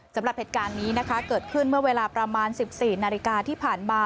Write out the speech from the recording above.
สำหรับเหตุการณ์นี้นะคะเกิดขึ้นเมื่อเวลาประมาณ๑๔นาฬิกาที่ผ่านมา